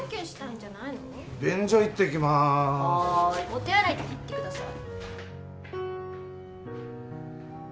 お手洗いって言ってください。